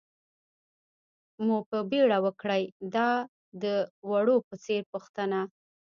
مو په بېړه وکړئ، دا د وړو په څېر پوښتنه.